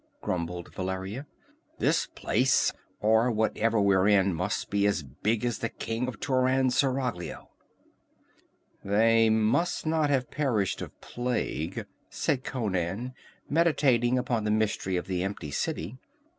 grumbled Valeria. "This place or whatever we're in must be as big as the king of Turan's seraglio." "They must not have perished of plague," said Conan, meditating upon the mystery of the empty city.